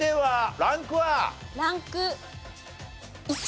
ランク１。